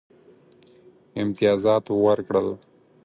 امتیازات ورکړل.